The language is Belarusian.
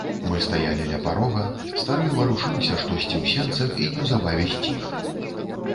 Мы стаялі ля парога, стары варушыўся штосьці ў сенцах і неўзабаве сціх.